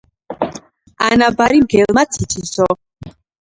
ანაბარი, მგელმაც იცისო.